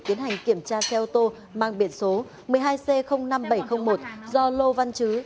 tiến hành kiểm tra xe ô tô mang biển số một mươi hai c năm nghìn bảy trăm linh một do lô văn chứ